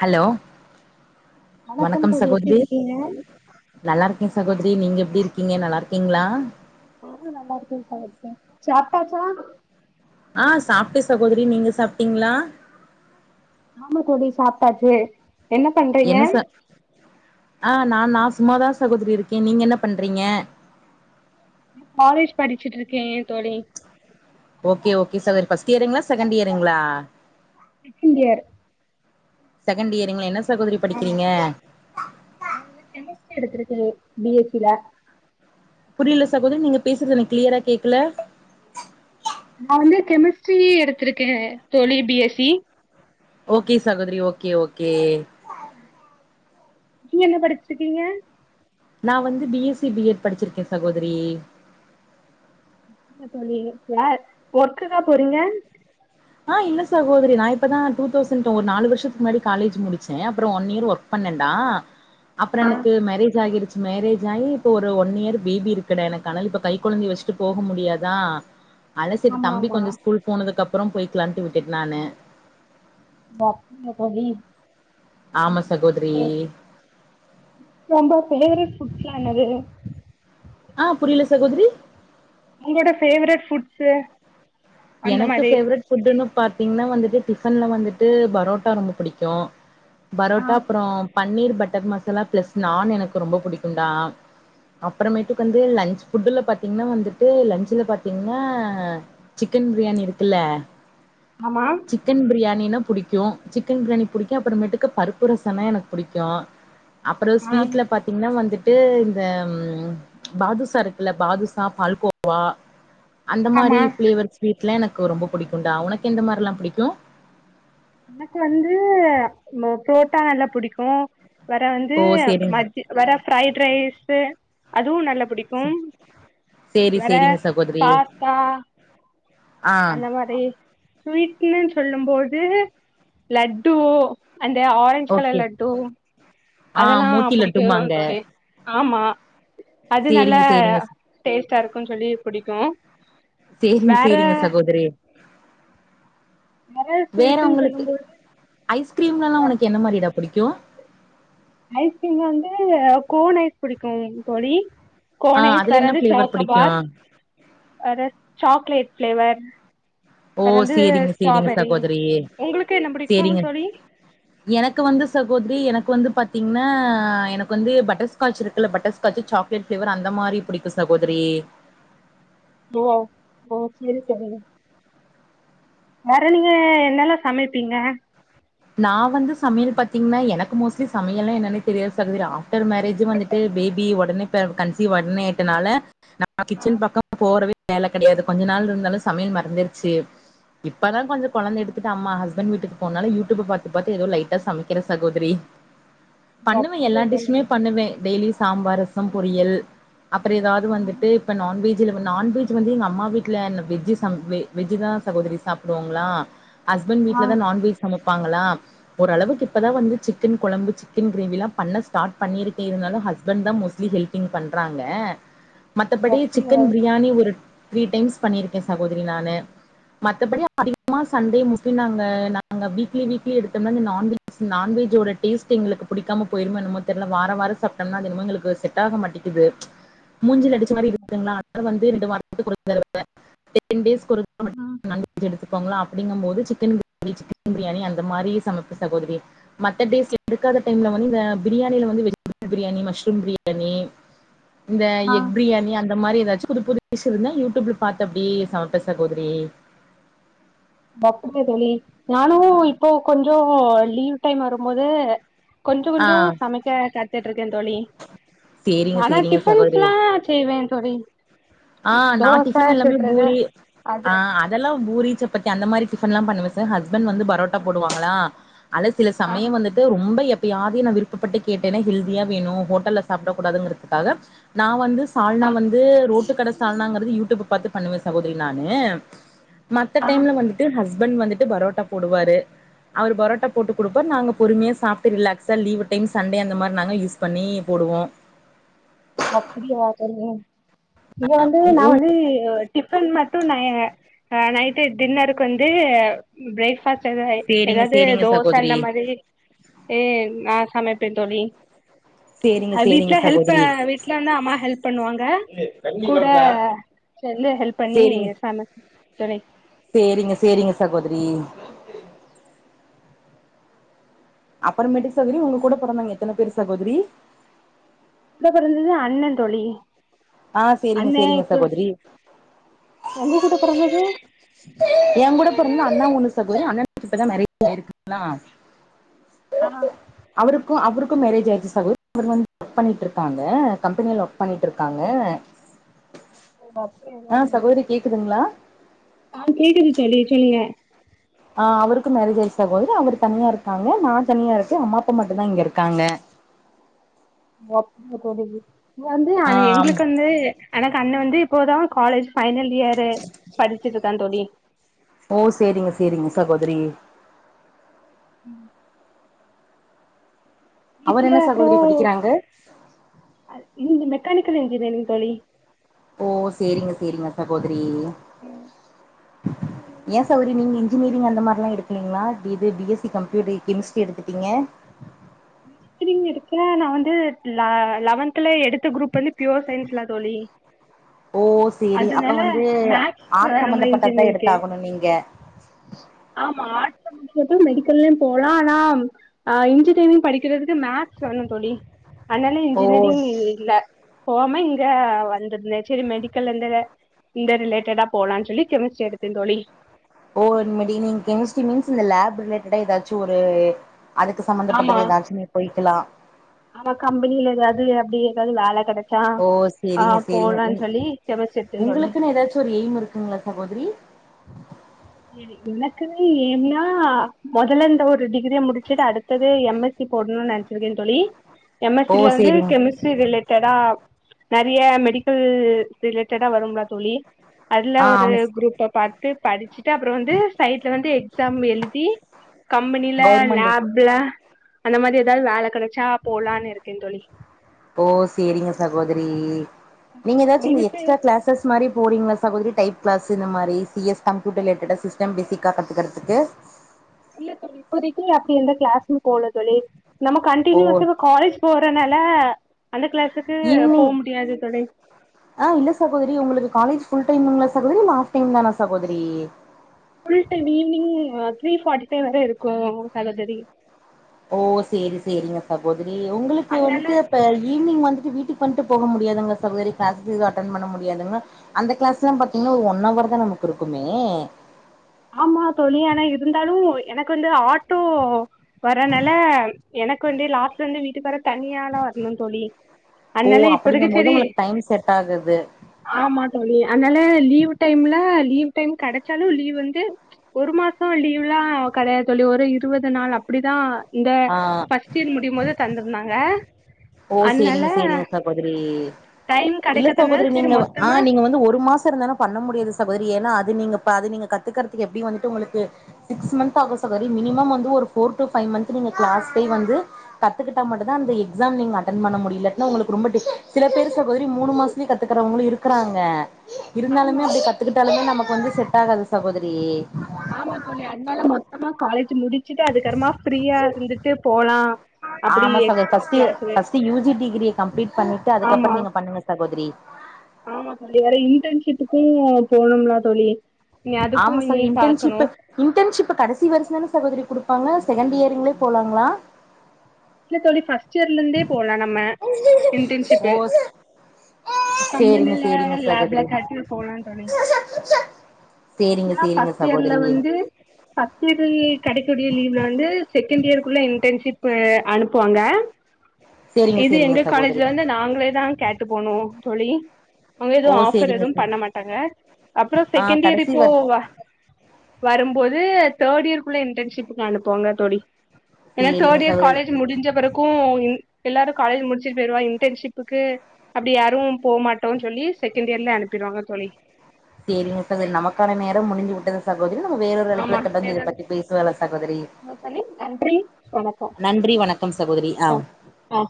Hello வணக்கம் தோழி எப்டி சகோதரி இருக்கீங்க நல்லா இருக்கே சகோதரி நீங்க எப்டி இருக்கீங்க நல்லா இருக்கீங்ளா சாப்டாச்சா ஆ சாப்ட்ட சகோதரி நீங்க சாப்ட்டீங்ளா ஆமா தோழி சாப்ட்டாச்சு என்ன பண்றீங்க என்ன ச ஆ நா நா சும்மாதா சகோதரி இருக்கே நீங்க என்ன பண்றீங்க காலேஜ் படிச்சுட்டு இருக்கே ஏ தோழி ஓகே ஓகே சகோதரி ஃபஸ்ட் இயருங்ளா செகண்ட் இயருங்ளா செகண்ட் இயர் செகண்ட் இயர்ங்களா என்ன சகோதரி ஆமா படிக்கிறீங்க ட்ரி எடுத்துருக்க பி எஸ் சி ல புரியல சகோதரி நீங்க பேசுறது எனக்கு க்ளியரா கேக்கல நா வந்து கெமிஸ்ட்ரி எடுத்திருக்கே தோழி பி எஸ் சி ஓகே சகோதரி ஓகே ஓகே நீங்க என்ன படிச்சிருக்கீங்க நா வந்து B S C B Ed படிச்சிருக்கே சகோதரி என்ன தோழி ச ஒர்க்குக்கா போறீங்க ஆ இல்ல சகோதரி நா இப்ப தா டூ தௌசண்ட் டு ஒரு நாலு வருஷத்துக்கு முன்னாடி காலேஜ் முடிச்ச அப்றோ ஒன் இயர் ஒர்க் பண்ணன்டா அப்றோ ஆ எனக்கு மேரேஜ் ஆகிடுச்சு மேரேஜ் ஆகி இப்ப ஒரு ஒன் இயர் பேபி இருக்குடா எனக்கு அதனால இப்ப கைக்குழந்தைய வச்சுட்டு போக முடியாதா அதனால சரி ஆமா தம்பி ஆமா கொஞ்சோ ஸ்கூல் போனதுக்கு அப் றம் போய்க்கலான்ட்டு விட்டுட்ட நானு [inaudible] ஆமா சகோதரி ரொம்ப பேரு குட்டியானது ஆ புரில சகோதரி உங்களோட ஃபேவரட் ஃபுட்சு எனக்கு ஃபேவரட் ஃபுட்ன்னு பாத்தீங்னா வந்துட்டு டிஃபன்ல வந்துட்டு பரோட்டா ரொம்ப புடிக்கு ஆ பரோட்டா அப்பறோ பன்னீர் பட்டர் மசாலா ப்ளஸ் நான் எனக்கு ரொம்ப புடிக்குன்டா அப்றமேட்டுக்கு வந்து லன்ச் ஃபுட்டுல பாத்தீங்கனா வந்துட்டு லன்ச்சில பாத்தீங்கனா சிக்கன் பிரியாணி இருக்குல்ல ஆமா சிக்கன் பிரியா மீனு புடிக்கு சிக்கன் ப்ரியாணி புடிக்கு அப்பறமேட்டுக்கு பருப்பு ரசன்னா எனக்கு புடிக்கு அப்றோ ஆ ஸ்வீட்ல பாத்தீங்ன்னா வந்துட் ட்டு இந்த பாதுசா இருக்குல்ல பாதுசா பால்கோவா அந்த மாரி ஆமா ஃப்ளேவர் வீட்லா எனக்கு ரொம்ப புடிக்குன்டா உனக்கெந்த மாரில்லா புடிக்கு எனக்கு வந்து ப ப்ரோட்டா நல்லா புடிக்கு வேற வந்து ஓ சேரிங்க மதி வேற ஃப்ரைட் ரைஸு அதுவு நல்ல புடிக்கும் சேரி வேற சேரிங்க சகோதரி பாஸ்தா ஆ அந்த மாரி ஸ்வீட்லன் சொல்லும் போது லட்டு அந்த ஆரஞ்ச் கலர் லட்டு அ அதெல்லா மோட்டி புடிக்கு லட்டும்பாங்க தோழி ஆமா அது நல்லா சேரிங்க சேரிங்க டேஸ் [unintelligible] சொல்லி புடிக்கு சேரிங்க வேற சேரிங்க சகோதரி வேற ஸ்வீட்டுன்னு உங்களுக்கு சொல்லும்போது ஐஸ்கிரீம்லல்லா உனக்கு என்ன மாரிடா புடிக்கு ஐஸ்கிரீம்ல வந்து கோன் ஐஸ் புடிக்கு தோழி ஆ கோன் ஐஸ் அதுல என்ன வரது ஃபிளேவர் புடிக்கு சாக்கோபார் சாக்லேட் ஃபிளேவர் ஓ அறந்து சேரிங்க சேரிங்க ஸ்ட்ராபெரி சகோதரி உங்களுக்கு என்ன புடிக்கு சேரிங்க தோலி எனக்கு வந்து சகோதரி எனக்கு வந்து பாத்தீங்கன்னா எனக்கு வந்து பட்டர்ஸ்காச் இருக்குல்ல பட்டர்ஸ்காச் சாக்லேட் பிளேவர் அந்த மாரி பிடிக்கு சகோதரி மூவ் ஆவ் ஓ செரி தோழி வேற நீங்க என்னல்லா சமைப்பீங்க நா வந்து சமையல் பாத்தீங்கன்னா எனக்கு மோஸ்ட்லி சமையல்னா என்னன்னே தெரியாது சகோதரி ஆஃப்டர் மேரேஜு வந்துட்டு பேபி உடனே பெற கன்சீவ் உடனே ஆயிட்டனால நா கிச்சன் பக்கம் போறவே வேல கெடையாது கொஞ்ச நாள் இருந்தாலு சமையல் மறந்துருச்சி இப்பதா கொஞ்சோ கொழந்த எடுத்துட்டு அம்மா ஹஸ் பண்ணு வீட்டுக்கு போனாலே யூ யூ ட்யூப் பாத்து பாத்து எதோ லைட்டா சமைக்கற சகோதரி ஓ, பண்ணுவே எல்லா அப்படியா தோழி டிஷ்ஷூமே பண்ணுவே டெய்லி சாம்பார் ரசம் பொரியல் அப்புறம் ஏதாவது வந்துட்டு இப்ப நான்வெஜ் ஜ்ல நான்வெஜ் வந்து எங்க அம்மா வீட்டுல வெஜ்ஜு சம வெஜ்தா சகோதரி சாப்டுவோங்களா ஹ்ஸ்பண்ட் ஆ வீட்ல தா நான் வெஜ் சம ப்பாங்களா ஓரளவுக்கு இப்பதா வந்து சிக்கன் கொழம்பு சிக்கன் கிரேவிலாம் பண்ண ஸ்டார்ட் பண்ணிருக்கே இருந்தாலும் ஹஸ்பண்ட் தா மோஸ்ட்லி ஹெல்பிங் பண்றாங்க மத்தபடி சிக்கன் பிரியாணி ஒரு த்ரீ டைம்ஸ் பண்ணிருக்கே சகோதுரி நானு மத்தபடி அதிகமா சண்டே முட்டி நாங்க நாங்க பீக் கி வீக்லி எடுத்தம்னா இந்த நான் வெஜ் நான்வெஜ்ட டேஸ்ட் எங்ளுக்கு புடிக்காம போயிருமோ என்மோ தெர்ல வரவார சாப்ட்டம்னா என்னமோ எங்களுக்கு செட்ட ஆக மாட்டிக்குது மூஞ்சில அடிச்ச மாரி இருக்துங்களா அத வந்து ரெண்டு வார் [inaudible] டென் டேஸ் [inaudible] எடுத்துக்கோங்ளா அப்டிங்கம் போது சிக்கன் [inaudible] பியாணி அந்த மாரி சமப் சகோதரி டேஸ் எக்காத டைம்ல வந்து இந்த பிரியாணில வந்து வெஜிடபிள் பிரியாணி மஷ்ரூம் பிரியாணி இந்த ஆ எக் பிரியாணி அந் மாரி எதாச்சு புது புது டிஷ் இருந்தா யூட்யூப்ல பாத்து அப்டியே சமப்ப சகோதரி [unintelligible] நானு இப்போ கொஞ்ச லீவ் டைம் வரும்போது கொஞ்சோ ஆ கொஞ்சோ சமைக்க கத்துட்ருக்க தோழி சேரிங்க ஆனா சேரிங்க சகோதரி. டிஃபன்ஸ்ல்லா செய்வே தோழி ஆ நா தோச டிஃபன் எல்லாமே சுட்றது பூரி ஆ அது அதல்லா பூரி சு பத் அந்த மாரி டிஃபன்லா பண்ணுவச ஸ்பண்ட் வந்து பரோட்டா போடுவாங்களா ஆன சில சமயம் வந்துட்டு ரொம்ப எப் ப யாரையு நா விருப்பப்பட்டு கேட்டனா ஹெல்தியா வேணு ஹோட்டல்ல சாப்டக் கூடாதுங்குறதுக்காக நா வந்து சாால்னா வந்து ரோட் டு கட சால்னாங்குறது யூடியூப பாத்து பண்ணுவ சகோதரி நானு மத்த ஆ டைம்ல வந்துட்டு ஹஸ் பண் வந்துட்டு பரோட்டா போடுவாரு அவர் பரோட்டா போட்டு குடுப்பார் நாங்க பொறுமையா சாப்ட்டு ரிலாக்ஸா லீவு டைம்க் சண்டே அந்த மாரி நாங்க யூஸ் பண்ணி போடுவோ அப்டியா சரிங்க இங்க வந்து நா வந்து டிஃபன் மட்டு நய ஆ நைட்டு டின்னருக் கு வந்து ப்ரேக் [unintelligible] சேரிங்க ஏதாது சேரிங்க தோச சகோதரி அந்த மாதிரி ஏ நா சமைப்பே தோழி சேரிங்க அ வீட்ல சேரிங்க ஹெல்ப்ப சகோதரி து அம்மா ஹெல்ப் பண்ணுவாங்க கூட சேந்து ஹெல்ப் பண்ணி சேரிங்க சம துணை தரி அப்பறமேட்டுக்கு சகோதரி உங்க கூட பொறந்தாவங்க எத்தன பேரு சகோதரி ட பிறந்தது அண்ணன் தோழி ஆ சேரிங்க அண்ணே சேரிங்க இப்ப சகோதரி உங்க கூட பொறந்தது பொறந்த அண்ணா ஒண்ணு சகோதரி அண்ணனுக்கு இப்ப தா மேரேஜ் [unintelligible] ஆஹ் ஒ அவருக்கு மேரேஜாயிருச்சு சகோதரி [unintelligible] பண்ணிட்டு இருக்காங்க கம்பெனியில ஒர்க் பண்ணிட்டு இருக் காங்க ஆஹ் சகோதிரி கேக்குதுங்களா அ கேக்குது தோழி சொல்லுங்க ஆஹ் அவுருக்கு மேரேஜ் ஆயிச்சு சகோதிரி அவரு தனியா இருக்காங்க நான் தனியா இருக்கேன் அம்மாப்பா மட்டும்தா இங்கருக்காங்க வொர்க் புக் வந்து வை வந்து ஆ அது ஆமா எங்களுக்கு வந்து எனக்கு அண்ண வந்து து இப்போதா காலேஜ் ஃபைனல் இயரு படிச்சட் இத்தா தோழி ஓ சேரிங்க சேரிங்க சகோதரி அவர் வீட்ல என்ன அப்பறோ சகோதரி படிக்கிறாங்க அது இன்னு [unintelligible] கெமிக்கல் இஞ்சினியரிங் தோழி ஓ சேரிங்க சேரிங்க சகோதரி ஏன் சௌரி நீங்க இன்ஜினியரிங் அந்த மாதிரில்லா எடுக்கலீங்களா ப்பி B S C computer chemistry எடுத்துட்டீங்க இன்ஜினியரிங் எடுக்கல நா வந்து லெவ லெவன்த் த்ல எடுத்த குரூப் வந்து ப்யூர் சயின்ஸ்ல தோழி ஓ சேரி அப்ப அதனால வந்து மேக்ஸ் ஆர்ட்ஸ் வரும்ல சம்பந்தப்பட்டதுதா இன்ஜினியரிங்க்கு எடுத்தாகணு நீங்க ஆமா ஆர்ட்ஸ் சமந்தபட்டது மெடிக்கல்லயு போலா ஆனா ஆஹ் இன்ஜினியரிங் படிக்கறதுக்கு மேக்ஸ் வேணு தோழி அதனால ஓ இன்ஜினியரிங் இல்ல போகாம இங்க வந்துருந்தே சேரி மெடிக்கலருந்து இந்த ரிலேட்டடா போலான்னு சொல்லி கெமிஸ்ட்ரி எடுத்தே தோழி ஓ இனிமேடி நீங்க கெமிஸ்ட்ரி மீன்ஸ் இந்த லேப் ரிலேட்டடா ஏதாச்சும ஒரு அதுக்கு சம்பந்தப்பட்டது ஏதாச்சுமே போய்க்கலா ஆஹ் கம்பெனியில ஏதாவது அப்படி ஏதாவது வேல கெட ஓ செரிங்க செரிங்க உ கெமிஸ்ட்ரி எடுத்தே தோழி உங்களுக்குன்னு ஏதாச்சுன்னு ஒரு எய்ம் இருக்குங்களா சகோதரி எனக்கு ஏய்ம்னா மொதலயிருந்த ஒரு டி கிரிய முடிச்சுட்டு அடுத்தது எம் எஸ் சி போடணுன்னு நீனைச்சிருக்கே தோழி எம் எஸ் ஓ சி ல வந்து சேரிங்க கெமிஸ்ட்ரி ரிலேட்டடா நெறய மெடிக்கல் ரிலேட்டடா வரும்லா தோழி அதுல ஆ ஒரு ஆமா குரூப் பாத்து படி ச்சிட்டு அப்புறோ வந்து சைட்ல வந்து எக்ஸாம் எழுதி கம்பெனில கவுர்மெண்ட் லேப்ல அந்த மாரி ஏதாவது வேல கெடக் அச்சா போலான்னு இருக்கே தோழி ஓ சேரிங்க சகோதரி நீங்க ஏதாச்சும் இந்த உங்களுக்கு எக்ஸ்ட்ரா கிலாஸஸ் மாரி போறீங்களா ஸ் சகோதரி டைப் கிளஸ் இந்த மாரி சி எஸ் கம்யூட்டர் ரிலேட்டட்டா ஸ் சஸ்டம் பேசிக்கா கத்துக்கறது ஓகே இல்ல தோழி இப்போதைக்கு அப்டி எந்த கிளாஸ்ம் போல தோழி நம்ம ஓ கண்டின்யுஸா இப்ப காலேஜ் போறனால அந்த கிளாஸுக்கு போ ஈவினிங் முடியாது தோழி ஆ இல்ல சகோதரி உங்களுக்கு காலேஜ் ஃபுல் டைமுங்ளா சகோதரி இல்ல ஆஃப் டைம் தானா சாகோதரி full time evening three forty five வர இருக்கு சகோதரி ஓ சேரி சேரிங்க சகோ தரி உங்களுக்கு அதனால வந்துட்டு இப்ப ஈவினிங் வந்து வீட்டுக்கு வன்ட்டு போக முடியாதுங்ளா சகோதரி க்ளாஸ் எது அட்டன் பண்ண முடியாதுங்ளா அந்த கிளாஸ்லா பாத்திங்னா ஒரு ஒன் அவர்தா நமக்கிருக்குமே ஆமா தோழி ஆனா இருந்தாலு எனக்கு வந்து ஆட்டோ வர்றனால எனக்கு வந்து லாஸ்ட் வந்து வீட்டுக்கு வர தனியால வரணு தோழி ஓ அதனால இப்பதைக்கு அப்படிங்கும் போது செரி உங்களுக்கு டைம் செட் ஆகுது ஆமா தோழி அதனால லீவு டைம்ல லீவ் டைம் கெடைச்சாலு லீவ் வந்து ஒரு மாச லீவ்லா கெடையாது தோழி ஒரு இருவது நாள் அப்படிதா ஆ ஓ அதனால சேரிங்க சேரிங்க சகோதரி டைம் இல்ல கிடைக்காதனால சகோதரி சரி நீங்க ஆ மொத்தமாக நீங்க வந்து ஒரு மாச இருந்தாலு பண்ண முடியாது சகோத ஏன்னா அது நீங்க ப அது நீங்க கத்துக்கறதுக்கு எப்டியு வந்துட்டு உங்களுக்கு சிக்ஸ் மன்த் ஆகு சகோரி மினிமம் வந்து ஒரு ஃபோர் டூ ஃபைவ் மன்த் நீங்க கிளாஸ்கே வந்து கத்துக்கிட்டா மட்டுந்தா அந்த எக்ஸாம் நீங்க அட்டன் பண்ண முடியு இல்லாட்னா உங்களுக்கு ரொம்ப டிஃபி சில பேர் சகோதரி மூணு மாசத்துலயே கத்துக்கறவங்களு இருக்கறாங்க இருந்தாலுமே ஆமாம் அப்படி கத்துக்கிட்டாலுமே நமக் கு வந்து செட் ஆகாது சகோதிரி ஆமா தோழி அதனால மொத்தமா காலேஜ் முடிச்சிட்டு அதுக்கறமா அப்படி ஆமா சகோ X first class first U G டிகிரிய கம்ப்ளீட் பண்ணிட்டு ஆமா அதுக்கப்பறோ நீங்க பண்ணுங்க சகோதரி ஆமா தோழி வர்ற இன்டர்ன்ஷிப்புக்கு போனும்லா தோழி நீ அதுக்கு ஆமா சகோ நீ பாக்கணு இன்டர்ன்ஷிப்பு இன்டர்ன்ஷிப்பு கடைசி வருசந்தான சகோதரி குடுப் பாங்க செகண்ட் இயருங்களே போலாங்களா இல்ல தோழி ஃபர்ஸ் ட் இயர்ல இருந்தே போலா நம்ம ஓ இன்டர்ன்ஷிப்பு சேரிங்க கம்பெனில சேரிங்க லேப்ல சகோதரி காட்டி போலா தோழி சேரிங்க எப்பனா சேரிங்க ஃபர்ஸ்ட் இயர்ல சகோதரி வந்து ஃபர்ஸ்ட் இயர் கெடைக்கூடிய லீவ்ல வந்து செகண்ட் இயருக்குள்ள இன்டர்ன்ஷிப் அனுப்புவாங்க சேரிங்க இது சேரிங்க எங்க சகோதரி காலேஜ்ல வந்து நாங்களேதா கேட்டு போனு தோழி அவங்க எதுவு ஓ ஆஃபர் சேரிங்க எதுவு ச பண்ண மாட்டாங்க அப்றோ ஆ செகண்ட் இயரு கடைசி வர் போவோ வா வரும்போது தேர்ட் இயர்க்குள்ள இன்டர்ன்ஷிப்புக்கு அனுப்புவாங்க தோழி ஏன்னா சேரிங்க தேர்ட் இயர் சகோதரி காலேஜ் முடிஞ்ச பிறக்கு ம் எல்லாரும் காலேஜ் முடிச்சுட்டு போயிருவா இன்டர்ன்ஷிப்புக்கு அப்டி யாரும் போமாட்டோம்னு சொல்லி செகண்ட் இயர்ல அனுப்பிறுவாங்க தோழி சேரிங்கா சகோதரி நமக்கான நேரம் முடிந்து விட்டது ச சகோதரி நம்ம வேறொரு இணைப்புல ஆமா தொடர்ந்து இதப் பத்தி பேசலாம் சகோதரி தோழி நன்றி வணக்கம் நன்றி வணக்கம் சகோதரி ஆ அஹ் ஆ